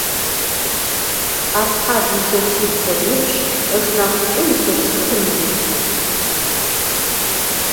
Асхьад илъэсибгъу ыныбжь, ышнахьыкӏэ илъэсихым ит.